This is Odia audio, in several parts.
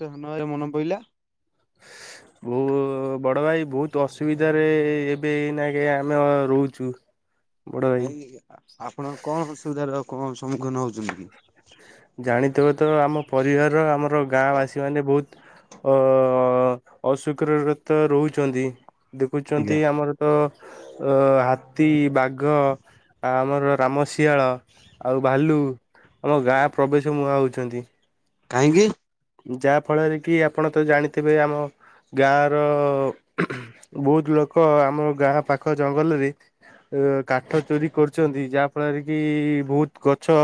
କେ [unintelligible] ମନ ପଇଲା। ବୋଉ ବଡ ଭାଇ ବହୁତ ଅସୁବିଧାରେ ଏବେ ଏଇନା ଗେ ଆମେ ରହୁଛୁ। ବଡ଼ ଭାଇ ନାଇ ଆପଣ କଣ ଅସୁବିଧାର କଣ ସମ୍ମୁଖୀନ ହଉଛନ୍ତି କି? ଜାଣିଥିବ ତ ଆମ ପରିବାର ଆମର ଗାଁ ବାସୀ ମାନେ ବହୁତ ଅ ଅଶୁକ୍ର ରେ ତ ରହୁଛନ୍ତି ଆଜ୍ଞା ଦେଖୁଛନ୍ତି ଆମର ତ ଅ ହାତୀ ବାଘ ଆମର ରାମଶିଆଳ ଆଉ ଭାଲୁ ଆମ ଗାଁ ପ୍ରବେଶ ମୁହାଁ ହେଉଛନ୍ତି। କାହିଁକି? ଯାହା ଫଳରେ କି ଆପଣ ତ ଜାଣିଥିବେ ଆମ ଗାଁ ର ବହୁତ ଲୋକ ଆମ ଗାଁ ପାଖ ଜଙ୍ଗଲରେ କାଠ ଚୋରି କରୁଛନ୍ତି ଯାହା ଫଳରେ କି ବହୁତ ଗଛ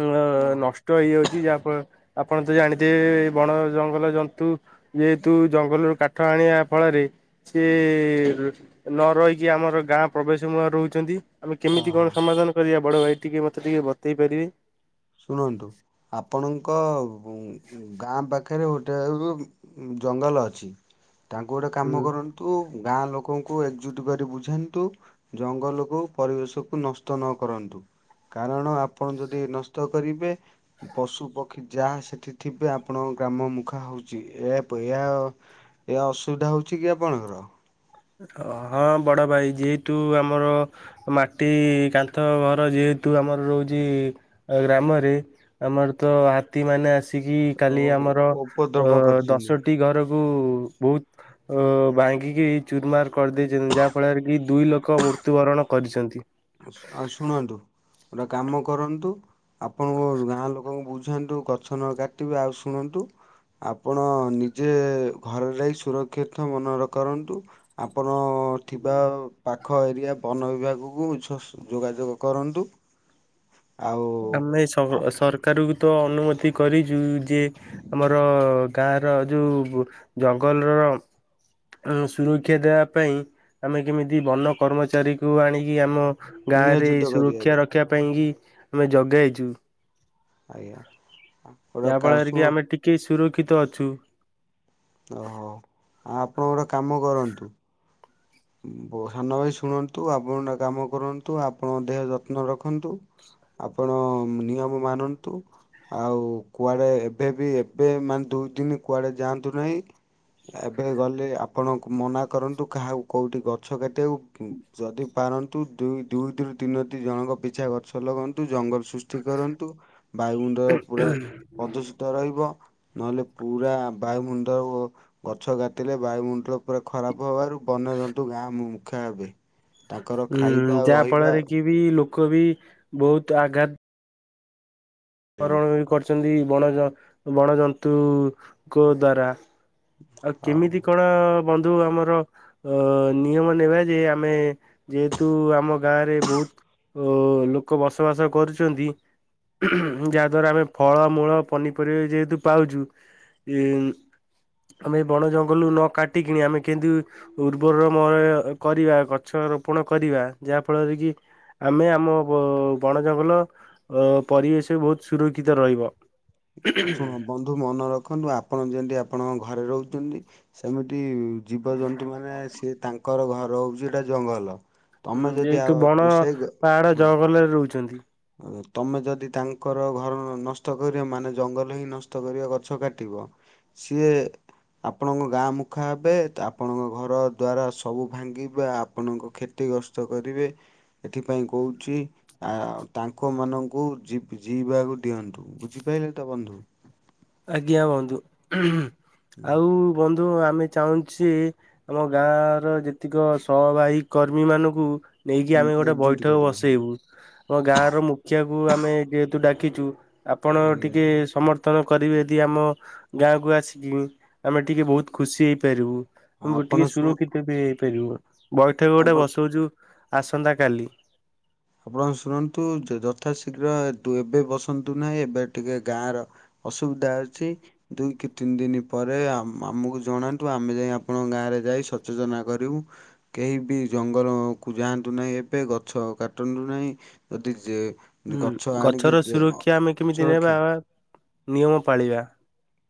ଅ ଓହୋ ନଷ୍ଟ ହେଇଯାଉଛି ଯାହା ଆପ ଆପଣ ତ ଜାଣିଥିବେ ବଣ ଜଙ୍ଗଲ ଜନ୍ତୁ ଯେହେତୁ ଜଙ୍ଗଲରୁ କା ଠ ଆଣିବା ଫଳରେ ଥି ନ ରହିକି ଆମର ଗାଁ ପ୍ରବେଶ ମୁହଁ ରହୁଛନ୍ତି। ଆମେ କେମିତି ଓହୋ କଣ ସମାଧାନ କରିବା ବଡ଼ ଭାଇ ଟିକେ ମୋତେ ଟିକେ ବତେଇ ପାରିବେ। ଶୁଣନ୍ତୁ ଆପଣଙ୍କ ଗାଁ ପାଖରେ ଗୋଟେ ଜଙ୍ଗଲ ଅଛି ତାଙ୍କୁ ଗୋଟେ କାମ ହୁଁ। କରନ୍ତୁ ତୁ ଗାଁ ଲୋକଙ୍କୁ ଏକଜୁଟ କରି ବୁଝାନ୍ତୁ। ଜଙ୍ଗଲକୁ ପରିବେଶକୁ ନଷ୍ଟ ନ କରନ୍ତୁ କାରଣ ଆପଣ ଯଦି ନସ୍ ତ କରିବେ ପଶୁ ପକ୍ଷୀ ଯାହା ସେଠି ଥିବେ ଆପଣଙ୍କ ଗ୍ରାମ ମୁଖା ହଉଛି ଏହା ପ ଏହା ଏହା ଅସୁବିଧା ହଉଛି କି ଆପଣଙ୍କର? ହଁ ବଡ ଭାଇ ଯେହେତୁ ଆମର ମାଟି କାନ୍ଥ ଘର ଯେହେତୁ ଆମର ରହୁଛି ଗ୍ରାମରେ ଆମର ତ ହାତୀ ମାନେ ଆସିକି କାଲି ହଉ ଆମର ଅ ଉପଦ୍ରବ କରିଛନ୍ତି ଦଶଟି ଘର କୁ ବହୁତ ଅ ଭାଙ୍ଗିକି ଚୁର୍ମାର କରିଦେଇଛନ୍ତି ଯାହାଫଳରେ କି ଦୁଇ ଲୋକ ମୃତ୍ୟୁବରଣ କରିଛନ୍ତି। ସୁ ଆଉ ଶୁଣନ୍ତୁ ଗୋଟେ କାମ କରନ୍ତୁ ଆପଣଙ୍କ ଗାଁ ଲୋକଙ୍କୁ ବୁଝାନ୍ତୁ ଗଛ ନ କାଟିବେ ଆଉ ଶୁଣନ୍ତୁ ଆପଣ ନିଜେ ଘରେ ରଇ ସୁରକ୍ଷତ ମନେର କରନ୍ତୁ। ଆପଣ ଥିବା ପାଖ ଏରିଆ ବନ ବିଭାଗକୁ ଯୋଗାଯୋଗ କରନ୍ତୁ। ଆଉ ଆମେ ସଅ ସରକାରକୁ ତ ଅନୁମତି କରିଛୁ ଯେ ଆମର ଗାଁର ଯୋଉ ଜଙ୍ଗଲର ସୁରକ୍ଷା ଦେବା ପାଇଁ ଆମେ କେମିତି ବନ କର୍ମଚାରୀକୁ ଆଣିକି ଆମ ଗାଁ ରେ ନିୟୋଜିତ କରିବାରେ ସୁରକ୍ଷା ରଖିବା ପାଇଁ କିି ଆମେ ଯଗେଇଛୁ। ଆଜ୍ଞା। ଯାହା ଗୋଟେ ଫଳରେ ଶୁଣ କି ଆମେ ଟିକେ ସୁରକ୍ଷିତ ଅଛୁ। ଓହୋ ଆଉ ଆପଣ ଗୋଟେ କାମ କରନ୍ତୁ। ବ ସାନ ଭାଇ ଶୁଅନ୍ତୁ ଆପଣ ନା କାମ କରନ୍ତୁ ଆପଣଙ୍କ ଦେହ ଯତ୍ନ ରଖନ୍ତୁ। ଆପଣ ନିୟମ ମାରନ୍ତୁ। ଆଉ କୁଆଡ଼େ ଏବେ ବି ଏବେ ମାନେ ଦୁଇ ଦିନ କୁଆଡ଼େ ଯାଆନ୍ତୁ ନାହିଁ। ଏବେ ଗଲେ ଆପଣ ମନା କରନ୍ତୁ କାହାକୁ କୋଉଠି ଗଛ କାଟିବାକୁ କି ଯଦି ପାରନ୍ତୁ ଦୁଇ ଦୁଇରୁ ତିନୋଟି ଜଣଙ୍କ ପିଛା ଗଛ ଲଗାନ୍ତୁ ଜଙ୍ଗଲ ସୃଷ ଟି କରନ୍ତୁ ବାୟୁମଣ୍ଡଳ ପୁରା ପ୍ରଦୂଷିତ ରହିବ। ନହେଲେ ପୁରା ବାୟୁମଣ୍ଡଳ ଗଛ କାଟିଲେ ବାୟୁମଣ୍ଡଳ ପୁରା ଖରାପ ହେବାରୁ ବନ୍ୟା ଜନ୍ତୁ ଗାଁ ମୁ ମୁଖା ହେବେ। ତାଙ୍କର ଖାଇବା ହୁଁ ଆଉ ଯାହା ରହିବା ଫଳରେ କି ବି ଲୋକ ବି ବହୁତ ଆଘାତ କର କିଣି ଏ କରିଚନ୍ତି ବଣ ଜ ବଣଜନ୍ତୁ-ଉ-ଉ-ଉ ଙ୍କ ଦ୍ଵାରା। ଆଉ ହଉ। କେମିତି କଣ-ଅ-ଅ-ଅ ବନ୍ଧୁ ଆମର ଅ-ଅ-ଅ ନିୟମ ନେବା ଯେ ଆମେ ଯେହେତୁ ଆମ ଗାଁ ରେ ବହୁତ ଓ-ଓ-ଓ-ଓ ଲୋକ ବସବାସ କରୁଚନ୍ତି। ଯାହାଦ୍ୱାରା ଆମେ ଫଳମୂଳ ପନିପରିବା ଯେହେତୁ ପାଉଚୁ। ଇ-ଇ-ଇ ଆମେ ବଣ ଜଙ୍ଗଲରୁ ନ କାଟିକି ଆମେ କେମିତି ଉର୍ବରମ ଅ କରିବା ଗଛ ରୋପଣ କରିବା ଯାହାଫଳରେ କି ଆମେ ଆମ ଅ-ଅ-ଅ ବ ବଣ ଜଙ୍ଗଲ ଅ-ଅ ପରିବେଶ ବହୁତ ସୁରକ୍ଷିତ ରହିବ। ଶୁଣ ବନ୍ଧୁ ମନେ ରଖନ୍ତୁ ଆପଣ ଯେମିତି ଆପଣଙ୍କ ଘରେ ରହୁଚନ୍ତି ସେମିତି-ଇ-ଇ ଜୀବଜନ୍ତୁମାନେ ସିଏ ତାଙ୍କର ଘର ହେଉଚି ଏଟା ଜଙ୍ଗଲ। ତମେ ହୁଁ ଯଦି ଯେହତୁ ବଣ ଆଉ ସେଇ ପାହାଡ ଜଙ୍ଗଲରେ ରହୁଚନ୍ତି। ହୁ ତମେ ଯଦି ତାଙ୍କର ଘର ନ ନଷ୍ଟ କରିବ ମାନେ ଜଙ୍ଗଲ ହିଁ ନଷ୍ଟ କରିବ ଗଛ କାଟିବ। ସିଏ ଆପଣଙ୍କ ଗାଁ ମୁଖା ହେବେ ତ ଆପଣଙ୍କ ଘର ଦ୍ୱାରା ସବୁ ଭାଙ୍ଗିବେ ଆପଣଙ୍କ କ୍ଷତିଗ୍ରସ୍ ତ କରିବେ ଏଥିପାଇଁ କହୁଚି ଆ ତାଙ୍କ ମାନଙ୍କୁ ଜିପ୍ ଜିଇ ବାକୁ ଦିଅନ୍ତୁ ବୁଝିପାଇଲେ ତ ବନ୍ଧୁ? ଆଜ୍ଞା ବନ୍ଧୁ। ଆଉ ବନ୍ଧୁ ଆମେ ଚାହୁଁଚ୍ ଯେ ଆମ ଗାଁଆଁ ର ଯେତିକ ସହବାହି କର୍ମୀ ମାନଙ୍କୁ ନେଇକି ହୁଁ ଆମେ ଗୋଟେ ଏକଜୁଟ ବୈଠକ କରିବେ ହଁ ବସେଇବୁ। ଆମ ଗାଁ ର ମୁଖିଆକୁ ଆମେ ଯେହେତୁ ଡାକିଚୁ ଆପଣ ଆଜ୍ଞା ଟିକେ ଏ ସମର୍ଥ କରିବେ ଯଦି ଆମ ଗାଁକୁ ଆସି ଯିବେ ଆମେ ଟିକେ ବହୁତ ଖୁସି ହେଇପାରିବୁ। ଓହୋ ଟିକେ ଆପଣ ଶୁଣ ସୁରକ୍ଷିତ ବି ହେଇପାରିବ। ବୈଠକ ଗୋଟେ ଆପଣ ବସଉଚୁ ଆସନ୍ତା କାଲି। ଆପଣ ଶୁଣନ୍ତୁ ଯ ଯଥା ଶୀଘ୍ର ଏ ଦୁ ଏବେ ବସାନ୍ତୁ ନାହିଁ ଏବେ ଟିକେ ଗାଁର ଅସୁବିଧା ଅଛି। ଦୁଇ କି ତିନି ଦିନି ପରେ ଆମ ଆମକୁ ଜଣାନ୍ତୁ ଆମେ ଯାଇ ଆପଣଙ୍କ ଗାଁରେ ଯାଇ ସଚେତନା କରିବୁ। କେହି ବି ଜଙ୍ଗଲକୁ ଯାଆନ୍ତୁ ନାହିଁ ଏବେ ଗଛ କାଟ ଟନ୍ତୁ ନାଇଁ ଅତି ଜେ ଗଛର ସୁରକ୍ଷା ଆମେ କେମିତି ସୁରକ୍ଷା ନେବାଆ ନିୟମ ପାଳିବା।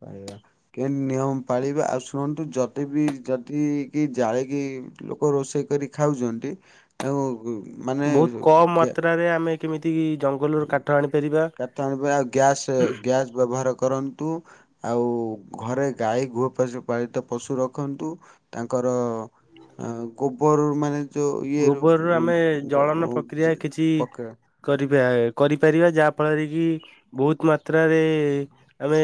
ପାଇବା। କେନ୍ତି ନିୟମ ପାଳିବେ ଆଉ ଶୁଣନ୍ତୁ ଯଦି ବି ଯଦି କି ଜାଳିକି ଲୋକ ରୋଷେଇ କରି ଖାଉଚନ୍ତି ତାଙ୍କ-ଗ-ଗ ବହୁତ କମ୍ ମାତ୍ରାରେ ଆମେ କେମିତି ଜଙ୍ଗ କାଠ ଆଣିବା ଗ୍ୟାସେ ଗ୍ୟାସ ବ୍ୟବହାର କରନ୍ତୁ। ଆଉ ଘରେ ଗାଈ ଗୃହପଶୁପାଳିତ ପଶୁ ରଖନ୍ତୁ ତାଙ୍କର ଆଉ ଗୋବରରୁ ମାନେ ଯୋଉ ଇଏ ରୁ ଗୋବରରୁ ଉ-ଉ-ଉ ଆମେ ଜ ଗଅ ଜ୍ ପକା କରିବେ ଏ କରିପାରିବା ଯାହା ଫଳରେ କି ବହୁତ ମାତ୍ରାରେ-ଏ-ଏ-ଏ-ଏ ଆମେ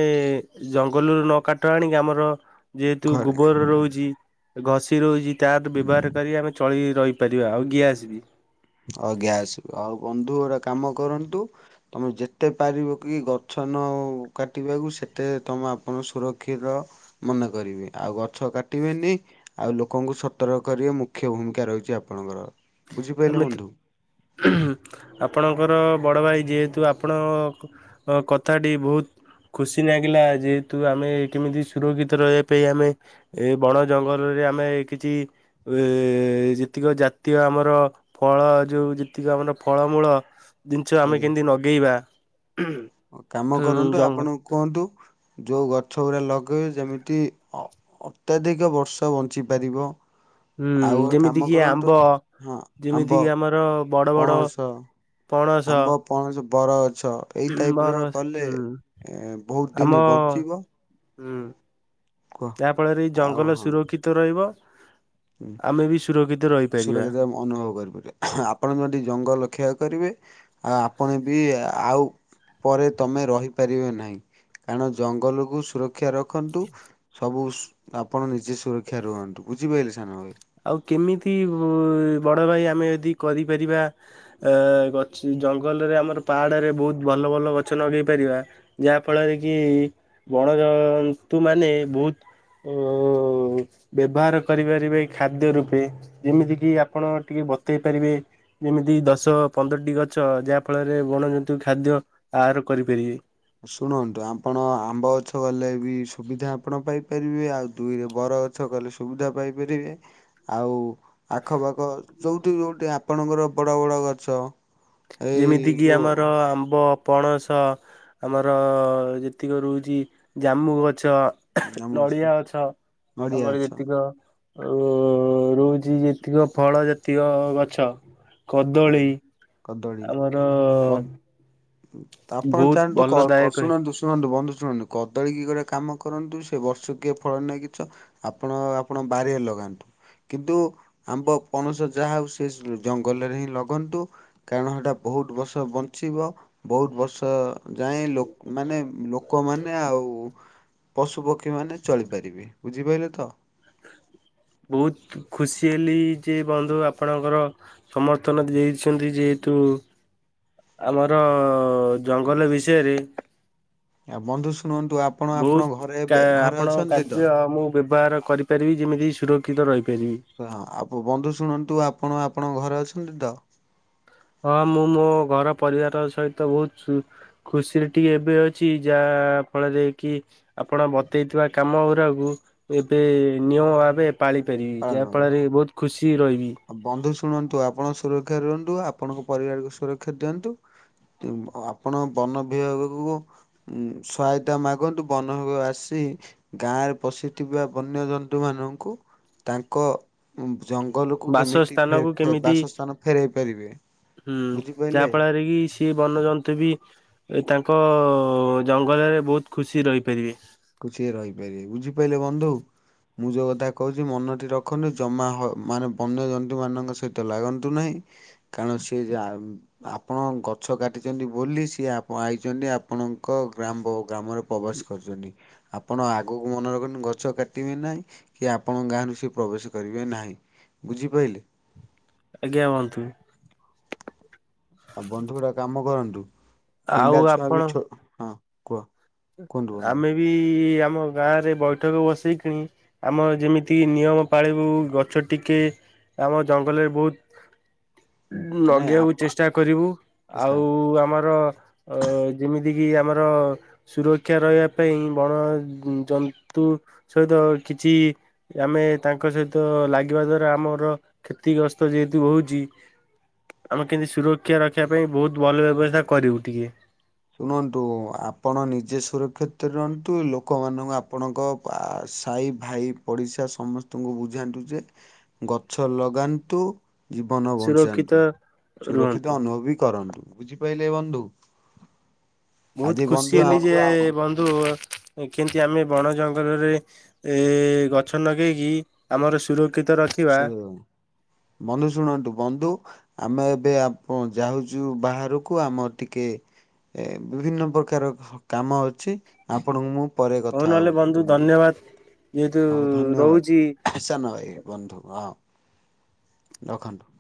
ଜଙ୍ଗଲରୁ ନ କାଠ ଆଣିକି ଆମର ଯେହେତୁ ଘରେ ଗୋବର ରହୁଚି ଘଷି ରହୁଚି ତାଦ ବ୍ୟବହାର କରି ଆମେ ଚଳି ରହି ପାରିବା ଆଉ ଗ୍ୟାସ ବି। ଆଉ ଗ୍ୟାସ ଆଉ ବନ୍ଧୁ ଗୋଟେ କାମ କରନ୍ତୁ। ତମେ ଯେତେ ପାରିବ କି ଗଛ ନଅ କାଟିବାକୁ ସେତେ ତମେ ଆପଣ ସୁରକ୍ଷିତ। ମନେ କରିବେ। ଆଉ ଗଛ କାଟିବେନି। ଆଉ ଲୋକଙ୍କୁ ସତର୍କ କରିବେ ମୁଖ୍ୟ ଭୂମିକା ରହିଚି ଆପଣଙ୍କର। ବୁଝିପାରିଲେ ଆମେ ବନ୍ଧୁ? ତ ଆପଣଙ୍କର ବଡ ଭାଇ ଯେହେତୁ ଆପଣ କଥାଟି ବୋହୁତ ଖୁସି ଲାଗିଲା ଆଜି ଯେହେତୁ ଆମେ କେମିତି ସୁରକ୍ଷିତ ରହିବା ପାଇଁ ଆମେ ଏଇ ବଣ ଜଙ୍ଗଲରେ ଆମେ କିଛି ଏ ଯେତିକି ଜାତୀୟ ଆମର ଫଳ ଯୋଉ ଯେତିକି ଆମର ଫଳମୂଳ ଜିନିଷ ଆମେ ଆଜ୍ଞା। କେମିତି ନଗେଇବା। କାମ ହୁଁ କରନ୍ତୁ ଜଙ୍ଗ ଆପଣଙ୍କୁ କୁହନ୍ତୁ ଯୋଉ ଗଛ ଗୁଡା ଲଗେଇବେ ଯେମିତି ଅ ଅତ୍ୟଧିକ ବର୍ଷ ବଞ୍ଚି ପାରିବ। ହୁଁ ଆଉ ଗୋଟେ ଯେମିତି କାମ କିି ଆମ୍ବ କରନ୍ତୁ। ହଁ ଯେମିତି ଆମ୍ବ କିି ଆମର ବଡ ପଣସ, ପଣସ ଆମ୍ବ, ପଣସ, ବରଗଛ ଏଇ ବର ଟାଇପର କଲେ ହୁଁ ବୋହୁତ ଆମ ଦିନ ବଞ୍ଚିବ। ହୁଁ କୁହ ଯାହା ଫଳରେ ଏଇ ଆଉ ଜଙ୍ଗଲ ହଁ ସୁରକ୍ଷିତ ରହିବ। ହୁଁ, ଆମେ ବି ସୁରକ୍ଷିତ ରହିପାରିବା। ସୁରକ୍ଷିତ ଅନୁଭବ କରିପାରିବା‌। ଆପଣ ଯଦି ଜଙ୍ଗଲ ରକ୍ଷା କରିବେ। ଆଉ ଆପଣ ବି ଆଉ ପରେ ତମେ ରହିପାରିବେ ନାହିଁ କାରଣ ଜଙ୍ଗଲକୁ ସୁରକ୍ଷା ରଖନ୍ତୁ। ସବୁ ଆପଣ ନିଜେ ସୁରକ୍ଷା ରୁହନ୍ତୁ ବୁଝିପାଇଲେ ସାନଭାଇ। ଆଉ କେମିତି ବଡଭାଇ ଆମେ ଯଦି କରିପାରିବା ଏ ଗଛ ଜଙ୍ଗଲରେ ଆମର ପାହାଡରେ ବୋହୁତ ଭଲ ଭଲ ଗଛ ଲଗେଇ ପାରିବା। ଯାହା ଫଳରେ କି ବଣଜନ୍ତୁ ମାନେ ବୋହୁତ ଓ ବ୍ୟବହାର କରିପାରିବେ। ଖାଦ୍ୟ ରୂପେ ଯେମିତି କିି ଆପଣ ଟିକେ ବତେଇ ପାରିବେ। ଯେମିତି ଦଶ ପନ୍ଦରଟି ଗଛ ଯାହା ଫଳରେ ବଣଜନ୍ତୁ ଖାଦ୍ୟ ଆହାର କରିପାରିବେ। ଶୁଣନ୍ତୁ ଆଂପଣ ଆମ୍ବ ଗଛ ଗଲେ ବି ସୁବିଧା ଆପଣ ପାଇପାରିବେ। ଆଉ ଦୁଇରେ ବର ଗଛ କଲେ ସୁବିଧା ପାଇପାରିବେ। ଆଉ ଆଖପାଖ ଯୋଉଠି ଯୋଉଠି ଆପଣଙ୍କର ବଡ ବଡ ଗଛ ଏଇ ଯେମିତିକି ଯୋଉ ଆମର ଆମ୍ବ ପଣସ ଆମର ଯେତିକି ରହୁଚି ଜାମୁ ଗଛ, ନଡିଆ ଗଛ। ନଡିଆ ଆମର ଗଛ ଯେତିକ ଆଉ ରହୁଚି ଯେତିକ ଫଳ ଜାତିୟ ଗଛ କଦଳୀ। ଆଜ୍ଞା, କଦଳୀ ଆମର କଦଳୀ ଆପଣ ବହୁତ ଜାଆନ୍ତୁ ଭଲ କ-କ ଦାୟକ ଶୁଣନ୍ତୁ। ଶୁଣନ୍ତୁ ବନ୍ଧୁ ଶୁଣନ୍ତୁ କଦଳୀ କି ଗୋଟେ କାମ କରନ୍ତୁ। [unintelligible] ସେ ଗଛରୁ କିଏ ଫଳ ନେଇଚକି ଚ ଆପଣ ଆପଣ ବାରିରେ ଲଗାନ୍ତୁ। କିନ୍ତୁ ଆମ୍ବ ପଣସ ଯାହା ହୋଉ ସେ ଜଙ୍ଗଲରେ ହିଁ ଲଗୋନ୍ତୁ କାରଣ ହେଟା ବୋହୁତ ବର୍ଷ ବଞ୍ଚିବ। ବୋହୁତ ବର୍ଷ ଯାଏଁ ଲୋ ମାନେ ଲୋକମାନେ ଆଉ। ପଶୁ ପକ୍ଷୀମାନେ ଚଳିପାରିବେ ବୁଝିପାଇଲେ ତ। ବୋହୁତ ଖୁସି ହେଲି ଯେ ବନ୍ଧୁ ଆପଣଙ୍କର ସମର୍ଥନ ଦେଇଛନ୍ତି ଯେହେତୁ ଆମର ଜଙ୍ଗଲ ବିଷୟରେ ଆ ବନ୍ଧୁ ଶୁଣନ୍ତୁ ଆ ବୋହୁତ କା ଆପଣଙ୍କ କାର୍ଯ୍ୟ ମୁଁ ବ୍ୟବହାର କରିପାରିବି ଯେମିତି ସୁରକ୍ଷିତ ରହିପାରିବି। ହଁ ଆ ବନ୍ଧୁ ଶୁଣନ୍ତୁ, ଆପଣ ଆପଣଙ୍କ ଘରେ ଅଛନ୍ତି ତ? ହଁ ମୁଁ ମୋ ଘର ପରିବାର ସହିତ ବୋହୁତ ସୁ ଖୁସିରେ ଟିକେ ଏବେ ଅଛି ଯାହା ଫଳରେ କି। ଆପଣ ବତେଇଥିବା କାମ ଗୁଡାକୁ ଏବେ ନିୟମ ଭାବେ ପାଳିପାରିବି ପାଳନ କରି? ଯାହାଫଳରେ ବହୁତ ଖୁସି ରହିବି। ବନ୍ଧୁ ଶୁଣନ୍ତୁ ଆପଣ ସୁରକ୍ଷା ରୁହନ୍ତୁ ଆପଣଙ୍କ ପରିବାରକୁ ସୁରକ୍ଷା ଦିଅନ୍ତୁ। ଆପଣ ବନ ବିଭାଗକୁ ସହାୟତା ମାଗନ୍ତୁ ବନ ଆସି ଗାଁରେ ପଶିଥିବା ବନ୍ୟଜନ୍ତୁମାନାନଙ୍କୁ ତାଙ୍କ ଜଙ୍ଗଲକୁ କେମିତି ଫେ ବାସସ୍ଥାନକୁ ଫେରେ କେମିତି ବାସସ୍ଥାନ ଫେରାଇ ପାରିବେ। ହୁଁ ବୁଝିପାରିଲେ ଚାହାପଳାରେରେ କି। କିଏ ବନ୍ୟଜନ୍ତୁ ବି ତାଙ୍କ ଜଙ୍ଗଲରେ ବହୁତ ଖୁସି ରହିପାରିବେ। ଛିିଏ ରହିପାରିବେ ବୁଝିପାରିଲେ ବନ୍ଧୁ। ମୁଁ ଯଉ କଥା କହୁଚି ମନଟି ରଖନ୍ତୁ ଜମା ହ ମାନେ ବନ୍ୟଜନ୍ତୁମାନାନଙ୍କ ସହିତ ଲାଗନ୍ତୁ ନାହିଁ। [unintelligible] ଆପଣ ଗଛ କାଟିଛନ୍ତି ବୋଲି ସିଏ ଆଇଛନ୍ତି ଆପଣଙ୍କ ଗ୍ରାମ୍ବ ଗ୍ରାମରେ ପ୍ରବାସ କରୁଛନ୍ତି ଆପଣ ଆଗକୁ ମନେ ରଖନ୍ତୁ ଗଛ କାଟିବେ ନାହିଁ। କି ଆପଣଙ୍କ ଗାଁରୁ ସେ ପ୍ରବେଶ କରିବେ ନାହିଁ ବୁଝିପାଇଲେ। ଆଜ୍ଞା [unintelligible] ବନ୍ଧୁ ଗୋଟେ କାମ କରନ୍ତୁ ଆଉ ପିଲା ଛୁଆ ଆପଣ ବି ଛୋ ହଁ। କୁହ କୁହନ୍ତୁ ବନ୍ଧୁ ଆମେ ବି ଆମ ଗାଁ ରେ ବୈଠକ ବସେଇ କିଣି ଆମେ ଯେମିତି ନିୟମ ପାଳିବୁ ଗଛ ଟିକେ ଆମ ଜଙ୍ଗଲରେ ବୋହୁତ ନାଇଁ ଲଗେଇବାକୁ ଚେଷ୍ଟା କରିବୁ ଆପା ଆଉ ଆମର ଅ ଯେମିତି କିି ଆମର ସୁରକ୍ଷା ରହିବା ପାଇଁ ବଣ ଜନ୍ତୁ ସହିତ କିଛି ଆମେ ତାଙ୍କ ସହିତ ଲାଗିବା ଦ୍ଵାରା ଆମର କ୍ଷତି ଗ୍ରସ୍ତ ଯେହେତୁ ହୋଉଚି। ଆମେ କେମିତି ସୁରକ୍ଷା ରଖିବା ପାଇଁ ବହୁତ ଭଲ ବ୍ୟବସ୍ଥା କରିବୁ ଟିକିଏ। ଶୁଣନ୍ତୁ ଆପଣ ନିଜେ ସୁରକ୍ଷିତ ରହନ୍ତୁ ଲୋକମାନଙ୍କୁ ଆପଣଙ୍କ ସାଇ ଭାଇ ପଡିଶା ସମସ୍ତଙ୍କୁ ବୁଝାନ୍ତୁ ଯେ ଗଛ ଲଗାନ୍ତୁ। ଜୀବନ ସୁରକ୍ଷିତ ବଞ୍ଚାନ୍ତୁ ରୁହନ୍ତୁ। ସୁରକ୍ଷିତ ଅନୁଭବ ବି କରନ୍ତୁ ବୁଝିପାରିଲେ ବନ୍ଧୁ। ବହୁତ ଆଜି ବନ୍ଧୁ ଖୁସି ଆମ ହେଲି ଯେ ବନ୍ଧୁ କେମିତି ଆମେ ବଣ ଜଙ୍ଗଲରେ ଏ ଗଛ ଲଗେଇକି ଆମର ସୁରକ୍ଷିତ ରଖି ବନ୍ଧୁ ଶୁଣନ୍ତୁ ବନ୍ଧୁ। ଆମେ ଏବେ ଆ ଯାଉଚୁ ବାହାରକୁ ଆମର ଟିକେ ଏ ବିଭିନ୍ନ ପ୍ରକାର କାମ ଅଛି ଆପଣଙ୍କୁ ମୁଁ ପରେ ହଉ କଥା ନହେଲେ ହଉଛି ବନ୍ଧୁ। ଧନ୍ୟବାଦ। ଯେହେତୁ ହଉ ରହୁଛି ଧନ୍ୟବାଦ ସାନ ଭାଇ ବନ୍ଧୁ ହଁ ରଖନ୍ତୁ।